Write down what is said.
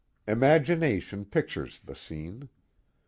Imagination pic tures the scene.